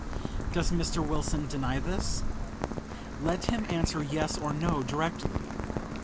Does Mr. Wilson deny this? Let him answer yes or no, directly.